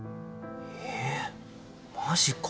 えっマジか。